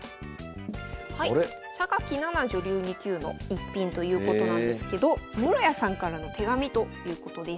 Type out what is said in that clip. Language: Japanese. はい菜吟女流２級の逸品ということなんですけど室谷さんからの手紙ということです。